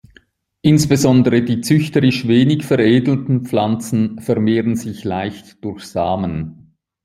Insbesondere die züchterisch wenig veredelten Pflanzen vermehren sich leicht durch Samen.